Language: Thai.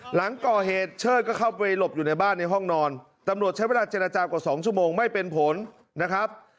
หลังก่อเหตุเชิดก็เข้าไปหลบอยู่ในบ้านในห้องนอนตำรวจใช้เวลาเจรจากว่า๒ชั่วโมงไม่เป็นผลนะครับ